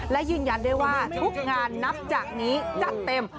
และยืนยันได้ว่าทุกงานนับจากนี้จัดเต็ม